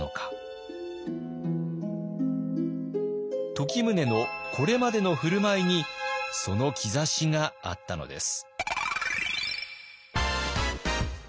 時宗のこれまでの振る舞いにその兆しがあったのです。